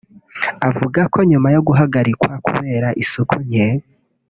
avuga ko nyuma yo guhagarikwa kubera isuku nke